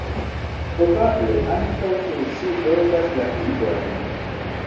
Probable ankaŭ nur ŝi zorgas la idojn.